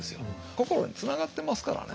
心につながってますからね。